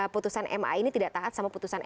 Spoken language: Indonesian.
putusan ma ini tidak taat sama putusan ma